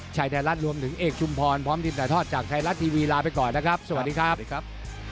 ชายไทรัสรวมถึงเอกชุมพรพร้อมดินสถาดจากไทรัสทีวีลาไปก่อนนะครับสวัสดีครับ